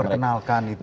memperkenalkan itu ya